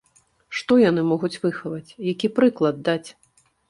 Што яны могуць выхаваць, які прыклад даць?